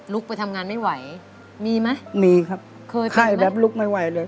ลุกไปทำงานไม่ไหวมีมั้ยมีครับเคยไปไหมไข่แบบลุกไม่ไหวเลย